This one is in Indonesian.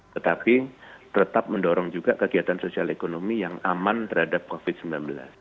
tetapi tetap mendorong juga kegiatan sosial ekonomi yang aman terhadap covid sembilan belas